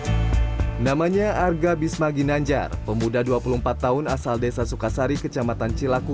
hai namanya arga bismaginanjar pemuda dua puluh empat tahun asal desa sukasari kecamatan cilaku